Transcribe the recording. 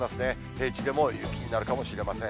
平地でも雪になるかもしれません。